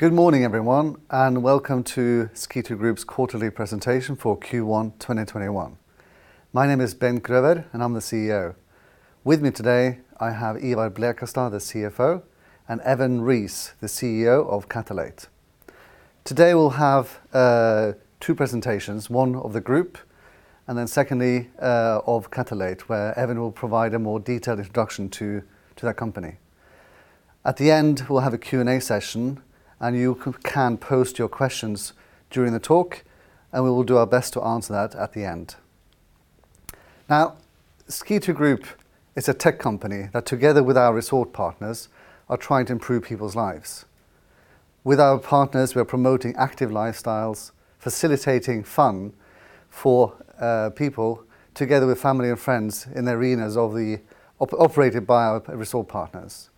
Good morning, everyone, and welcome to Skitude Group's quarterly presentation for Q1 2021. My name is Bent Grøver, and I'm the CEO. With me today, I have Ivar Blekastad, the CFO, and Evan Reece, the CEO of Catalate. Today we'll have two presentations, one of the group, and then secondly of Catalate, where Evan will provide a more detailed introduction to that company. At the end, we'll have a Q&A session, and you can post your questions during the talk, and we will do our best to answer that at the end. Skitude Group is a tech company, that together with our resort partners, are trying to improve people's lives. With our partners, we're promoting active lifestyles, facilitating fun for people together with family and friends in arenas operated by our resort partners.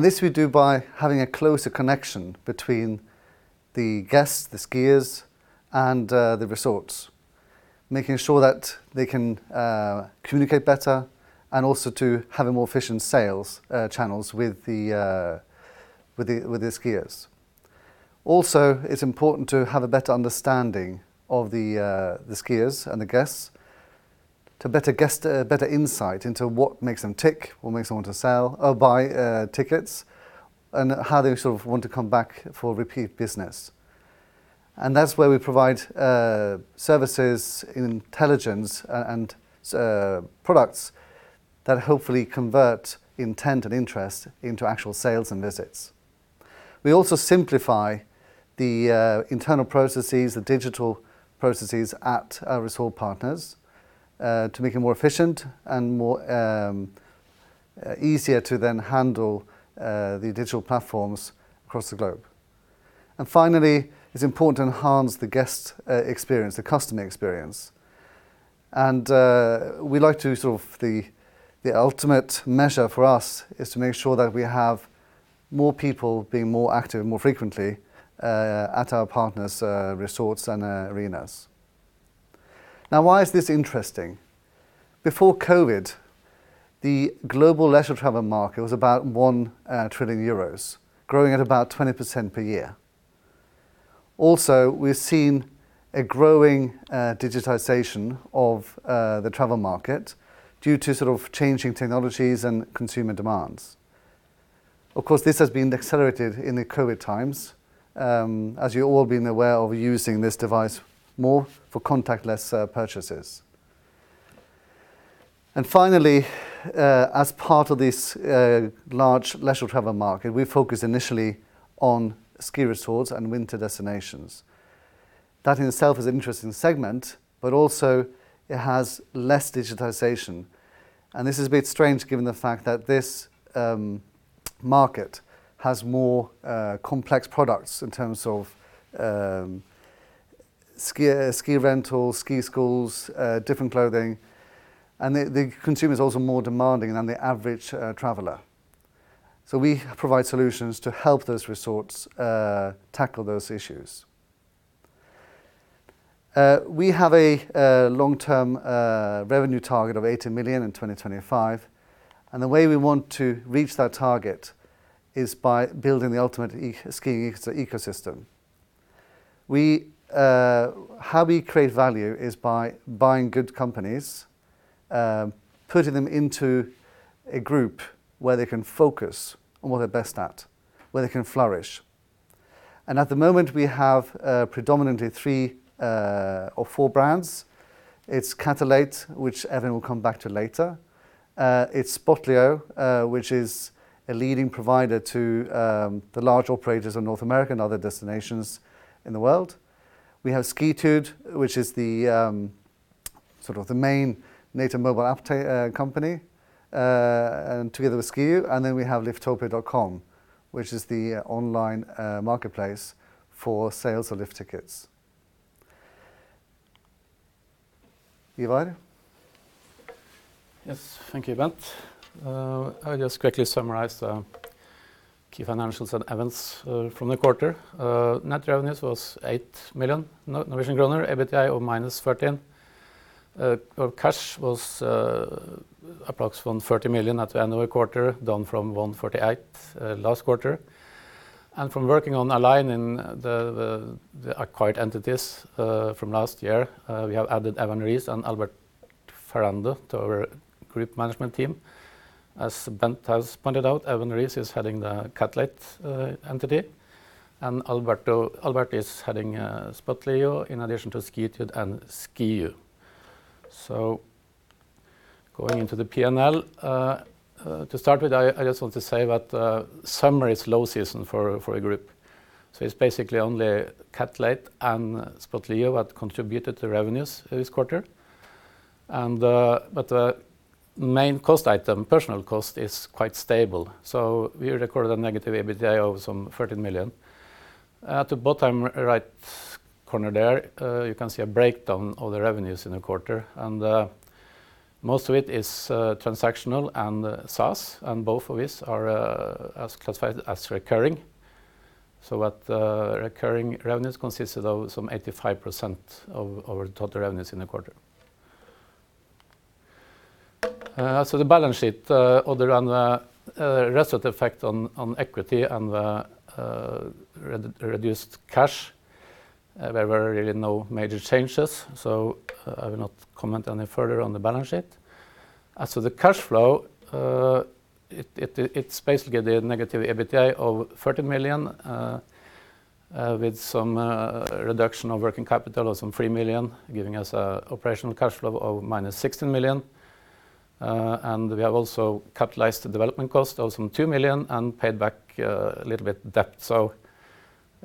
This we do by having a closer connection between the guests, the skiers, and the resorts, making sure that they can communicate better, and also to have a more efficient sales channels with the skiers. It's important to have a better understanding of the skiers and the guests to better insight into what makes them tick, what makes them want to buy tickets, and how they sort of want to come back for repeat business. That's where we provide services, intelligence, and products that hopefully convert intent and interest into actual sales and visits. We also simplify the internal processes, the digital processes at our resort partners, to make it more efficient and more easier to then handle the digital platforms across the globe. Finally, it's important to enhance the guest experience, the customer experience. The ultimate measure for us is to make sure that we have more people being more active more frequently at our partners' resorts and arenas. Why is this interesting? Before COVID, the global leisure travel market was about 1 trillion euros, growing at about 20% per year. We've seen a growing digitization of the travel market due to changing technologies and consumer demands. This has been accelerated in the COVID times, as you've all been aware of using this device more for contactless purchases. Finally, as part of this large leisure travel market, we focused initially on ski resorts and winter destinations. That in itself is an interesting segment, but also, it has less digitization, and this is a bit strange given the fact that this market has more complex products in terms of ski rentals, ski schools, different clothing, and the consumer is also more demanding than the average traveler. We provide solutions to help those resorts tackle those issues. We have a long-term revenue target of 80 million in 2025, and the way we want to reach that target is by building the ultimate skiing ecosystem. How we create value is by buying good companies, putting them into a group where they can focus on what they're best at, where they can flourish. At the moment, we have predominantly three or four brands. It's Catalate, which Evan will come back to later. It's Spotlio, which is a leading provider to the large operators of North America and other destinations in the world. We have Skitude, which is the main native mobile company, together with skioo. Then we have Liftopia.com, which is the online marketplace for sales of lift tickets. Ivar? Yes, thank you, Bent. I'll just quickly summarize the key financials and events from the quarter. Net revenues was 8 million, EBITDA of -NOK 14 million. Cash was approximately 130 million at the end of the quarter, down from 148 million last quarter. From working on aligning the acquired entities from last year, we have added Evan Reece and Albert Ferrando to our group management team. As Bent has pointed out, Evan Reece is heading the Catalate entity, and Albert is heading Spotlio, in addition to Skitude and skioo. Going into the P&L. To start with, I just want to say that summer is low season for a group, it's basically only Catalate and Spotlio that contributed to revenues this quarter. The main cost item, personal cost, is quite stable. We recorded a negative EBITDA of some 13 million. At the bottom right corner there, you can see a breakdown of the revenues in the quarter, most of it is transactional and SaaS, and both of these are classified as recurring. That recurring revenues consisted of some 85% of our total revenues in the quarter. The balance sheet, other than the rest of the effect on equity and the reduced cash, there were really no major changes. I will not comment any further on the balance sheet. The cash flow, it's basically the negative EBITDA of 30 million with some reduction of working capital of some 3 million, giving us an operational cash flow of -16 million. We have also capitalized the development cost of some 2 million and paid back a little bit of debt.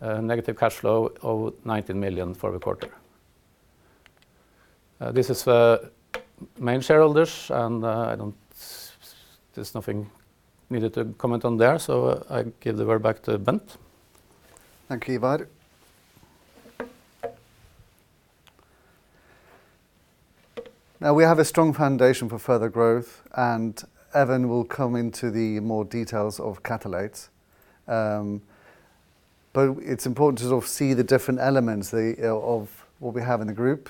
Negative cash flow of 19 million for the quarter. This is main shareholders. There's nothing needed to comment on there. I give the word back to Bent. Thank you, Ivar. We have a strong foundation for further growth, Evan will come into the more details of Catalate. It's important to see the different elements of what we have in the group,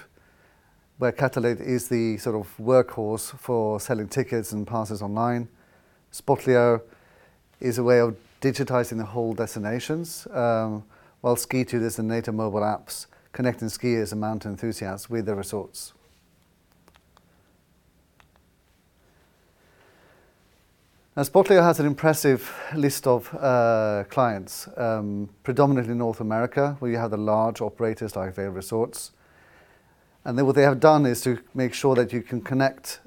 where Catalate is the workhorse for selling tickets and passes online. Spotlio is a way of digitizing the whole destinations, while Skitude is the native mobile apps connecting skiers and mountain enthusiasts with the resorts. Spotlio has an impressive list of clients predominantly in North America, where you have the large operators like Vail Resorts. What they have done is to make sure that you can connect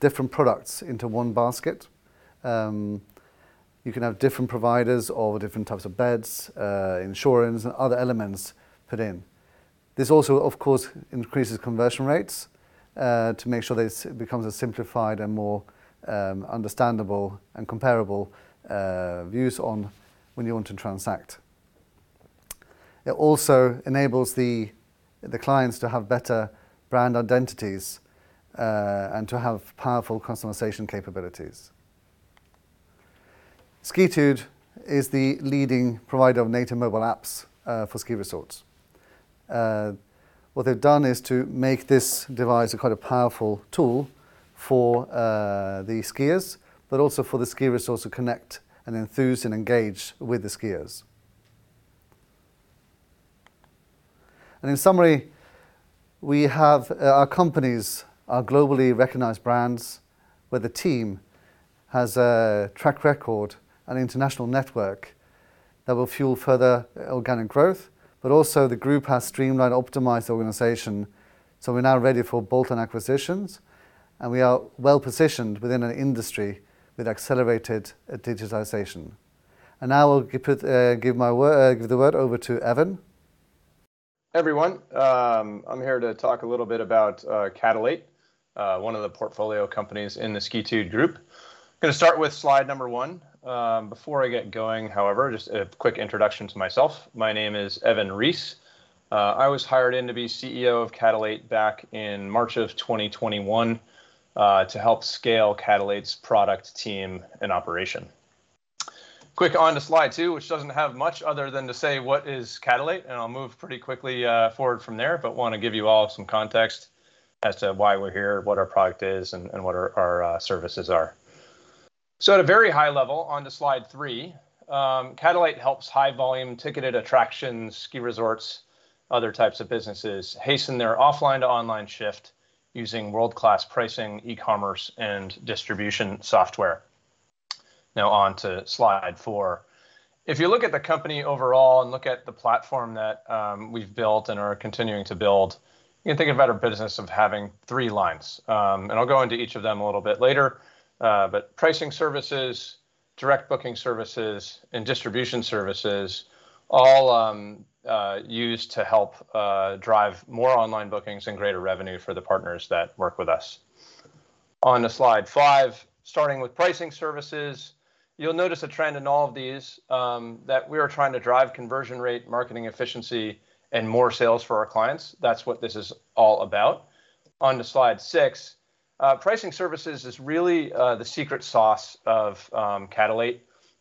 different products into one basket. You can have different providers or different types of beds, insurance, and other elements put in. This also, of course, increases conversion rates to make sure that it becomes a simplified and more understandable and comparable views on when you want to transact. It also enables the clients to have better brand identities and to have powerful customization capabilities. Skitude is the leading provider of native mobile apps for ski resorts. What they've done is to make this device a powerful tool for the skiers, but also for the ski resorts to connect and enthuse and engage with the skiers. In summary, our companies are globally recognized brands, where the team has a track record and international network that will fuel further organic growth, but also the group has streamlined optimized organization. We're now ready for bolt-on acquisitions. We are well positioned within an industry with accelerated digitization. Now I'll give the word over to Evan. Everyone, I'm here to talk a little bit about Catalate, one of the portfolio companies in the Spotlio Group. I'm going to start with slide one. Before I get going, however, just a quick introduction to myself. My name is Evan Reece. I was hired in to be CEO of Catalate back in March of 2021 to help scale Catalate's product team and operation. Quick on to slide two, which doesn't have much other than to say what is Catalate, and I'll move pretty quickly forward from there, but want to give you all some context as to why we're here, what our product is, and what our services are. At a very high level, on to slide three, Catalate helps high-volume ticketed attractions, ski resorts, other types of businesses hasten their offline-to-online shift using world-class pricing, e-commerce, and distribution software. Now on to slide four. If you look at the company overall and look at the platform that we've built and are continuing to build, you can think of our business of having three lines. I'll go into each of them a little bit later. Pricing services, direct booking services, and distribution services all used to help drive more online bookings and greater revenue for the partners that work with us. On to slide five, starting with pricing services. You'll notice a trend in all of these that we are trying to drive conversion rate, marketing efficiency, and more sales for our clients. That's what this is all about. On to slide six. Pricing services is really the secret sauce of Catalate.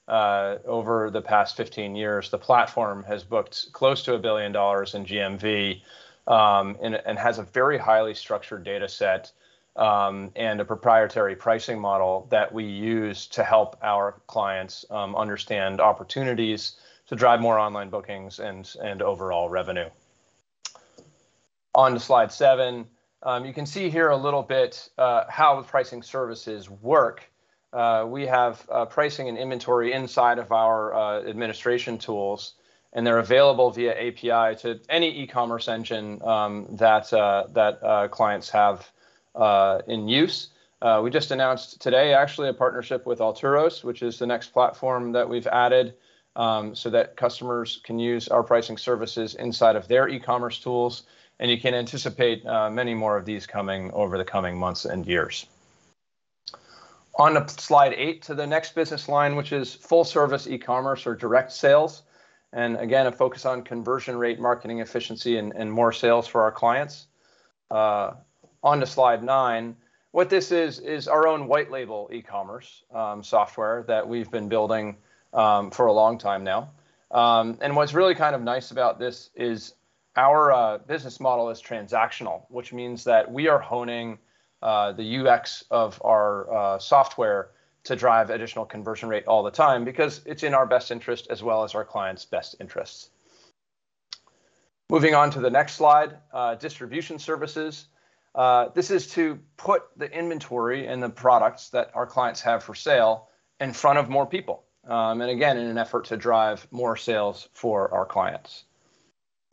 Over the past 15 years, the platform has booked close to $1 billion in GMV and has a very highly structured data set and a proprietary pricing model that we use to help our clients understand opportunities to drive more online bookings and overall revenue. On to slide seven. You can see here a little bit how the pricing services work. They're available via API to any e-commerce engine that clients have in use. We just announced today actually a partnership with Alturos, which is the next platform that we've added so that customers can use our pricing services inside of their e-commerce tools. You can anticipate many more of these coming over the coming months and years. On to slide eight to the next business line, which is full-service e-commerce or direct sales. A focus on conversion rate, marketing efficiency, and more sales for our clients. On to slide nine. What this is our own white label e-commerce software that we've been building for a long time now. What's really kind of nice about this is our business model is transactional, which means that we are honing the UX of our software to drive additional conversion rate all the time because it's in our best interest as well as our clients' best interests. Moving on to the next slide, distribution services. This is to put the inventory and the products that our clients have for sale in front of more people, and again, in an effort to drive more sales for our clients.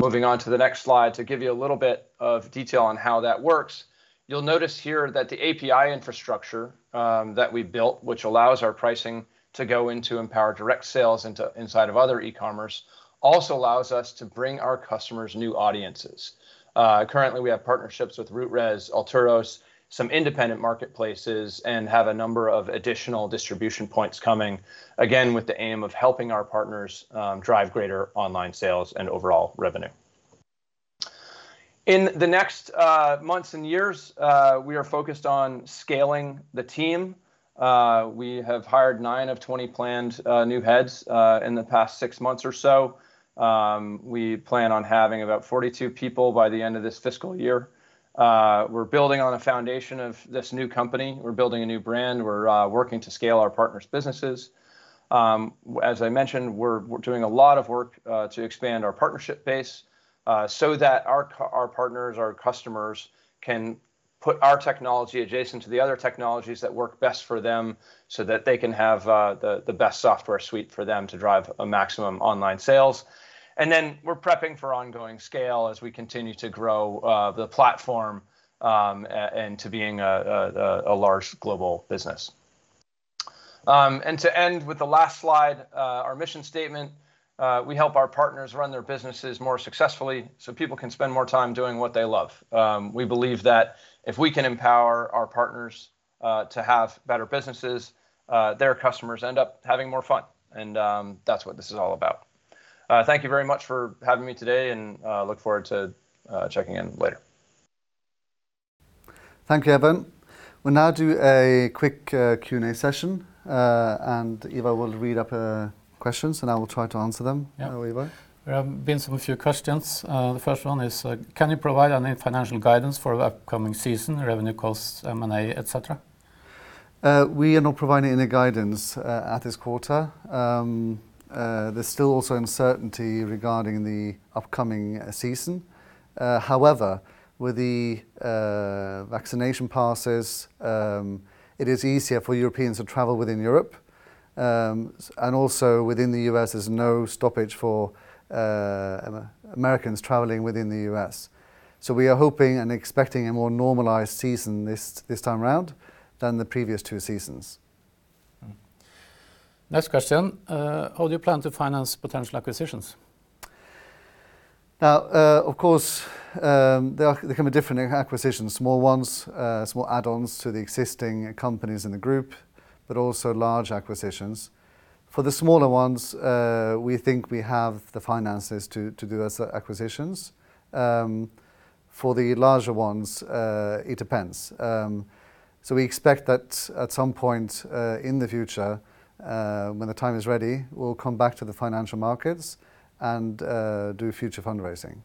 Moving on to the next slide. To give you a little bit of detail on how that works, you'll notice here that the API infrastructure that we built, which allows our pricing to go into empower direct sales inside of other e-commerce, also allows us to bring our customers new audiences. Currently, we have partnerships with RootRez, Alturos, some independent marketplaces, and have a number of additional distribution points coming, again, with the aim of helping our partners drive greater online sales and overall revenue. In the next months and years, we are focused on scaling the team. We have hired nine of 20 planned new heads in the past six months or so. We plan on having about 42 people by the end of this fiscal year. We're building on a foundation of this new company. We're building a new brand. We're working to scale our partners' businesses. As I mentioned, we're doing a lot of work to expand our partnership base so that our partners, our customers, can put our technology adjacent to the other technologies that work best for them so that they can have the best software suite for them to drive maximum online sales. We're prepping for ongoing scale as we continue to grow the platform into being a large global business. To end with the last slide, our mission statement, we help our partners run their businesses more successfully so people can spend more time doing what they love. We believe that if we can empower our partners to have better businesses, their customers end up having more fun, and that's what this is all about. Thank you very much for having me today, and look forward to checking in later. Thank you, Evan. We'll now do a quick Q&A session. Ivar will read up questions. I will try to answer them. Yeah. Ivar? There have been some few questions. The first one is, can you provide any financial guidance for the upcoming season, revenue costs, M&A, et cetera? We are not providing any guidance at this quarter. There is still also uncertainty regarding the upcoming season. With the vaccination passes, it is easier for Europeans to travel within Europe, and also within the U.S. there is no stoppage for Americans traveling within the U.S. We are hoping and expecting a more normalized season this time around than the previous two seasons. Next question. How do you plan to finance potential acquisitions? Now, of course, there can be different acquisitions, small ones, small add-ons to the existing companies in the group, but also large acquisitions. For the smaller ones, we think we have the finances to do those acquisitions. For the larger ones, it depends. We expect that at some point in the future, when the time is ready, we'll come back to the financial markets and do future fundraising.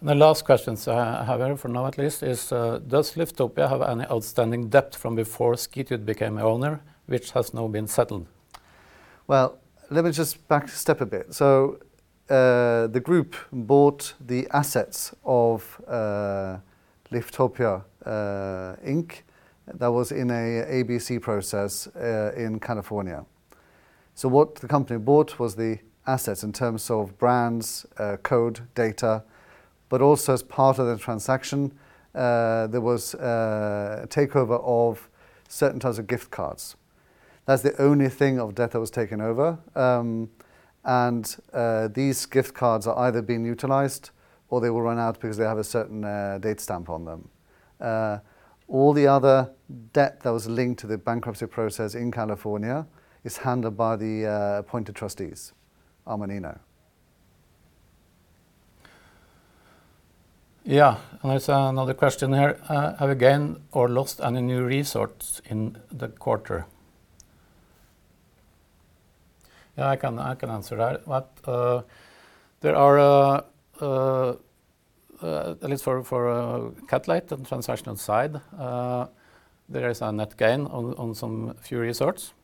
The last question I have here, for now at least, is does Liftopia have any outstanding debt from before Skitude became owner, which has now been settled? Well, let me just back step a bit. The group bought the assets of Liftopia, Inc. That was in a ABC process in California. What the company bought was the assets in terms of brands, code, data, but also as part of the transaction, there was a takeover of certain types of gift cards. That's the only thing of debt that was taken over, and these gift cards are either being utilized or they will run out because they have a certain date stamp on them. All the other debt that was linked to the bankruptcy process in California is handled by the appointed trustees, Armanino. Yeah. There's another question here. Have you gained or lost any new resorts in the quarter? I can answer that. At least for Catalate and transactional side, there is a net gain on some few resorts.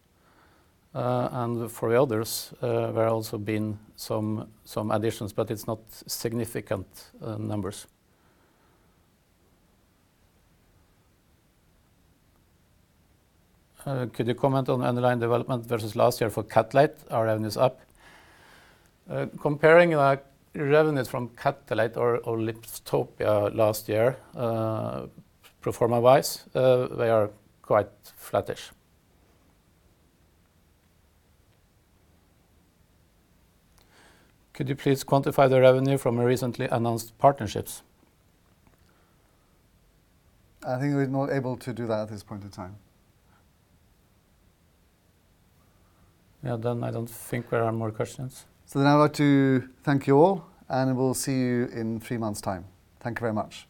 For the others, there have also been some additions, but it's not significant numbers. Could you comment on underlying development versus last year for Catalate? Are revenues up? Comparing revenues from Catalate or Liftopia last year, pro forma-wise, they are quite flattish. Could you please quantify the revenue from the recently announced partnerships? I think we're not able to do that at this point in time. Yeah. I don't think there are more questions. I'd like to thank you all, and we'll see you in three months' time. Thank you very much.